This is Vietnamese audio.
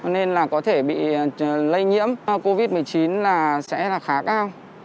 nên là có thể bị lây nhiễm covid một mươi chín là sẽ là khá cao